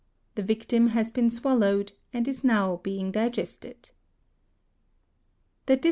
The victim has been swallowed and is now being digested (Fig.